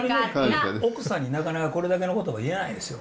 奥さんになかなかこれだけのことは言えないですよ。